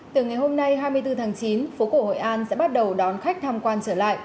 từ ngày hôm nay hai mươi bốn tháng chín phố cổ hội an sẽ bắt đầu đón khách tham quan trở lại